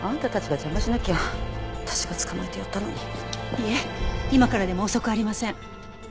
いえ今からでも遅くありません。